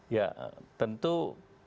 ya tentu tingkat